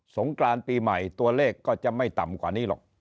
งกรานปีใหม่ตัวเลขก็จะไม่ต่ำกว่านี้หรอก